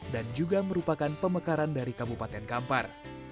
dan juga merupakan pemekaran dari kabupaten kampar